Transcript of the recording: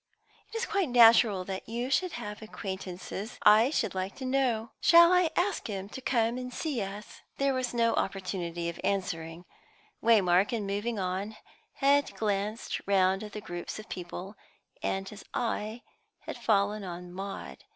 "It is quite natural that you should have acquaintances I should like to know. Shall I ask him to come and see us?" There was no opportunity of answering. Waymark, in moving on, had glanced round at the groups of people, and his eye had fallen on Maud.